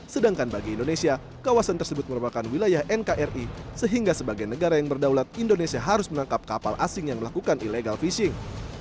sedangkan bagi indonesia kawasan tersebut merupakan wilayah nkri sehingga sebagai negara yang berdaulat indonesia harus menangkap kapal asing yang melakukan illegal fishing